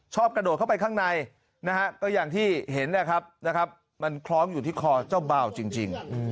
กระโดดเข้าไปข้างในนะฮะก็อย่างที่เห็นนะครับมันคล้องอยู่ที่คอเจ้าบ่าวจริง